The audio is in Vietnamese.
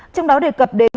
trong đó đề cập đến